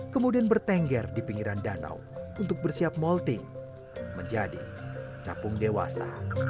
kemudian bertengger di pinggiran danau untuk bersiap molting menjadi capung dewasa